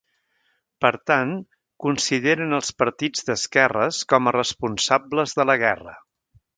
Per tant, consideren als partits d'esquerres com a responsables de la guerra.